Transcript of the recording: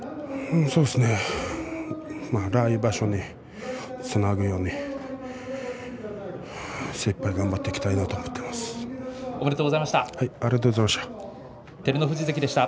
来場所につながるように精いっぱい頑張っていきたいとおめでとうございました。